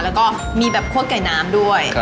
แล้วก็มีแบบคั่วไก่น้ำด้วย